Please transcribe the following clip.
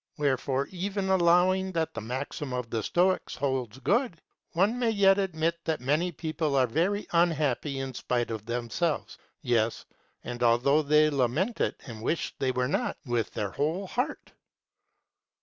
Wherefore, even allowing that the maxim of the Stoics holds good, one may yet admit that many people are very unhappy in spite of themselves, yes, and although they lament it and wish they were not, with their whole heart.